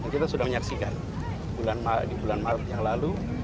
kita sudah menyaksikan di bulan maret yang lalu